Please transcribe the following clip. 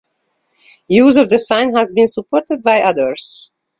Use of the sign has been supported by others.